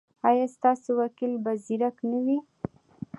ایا ستاسو وکیل به زیرک نه وي؟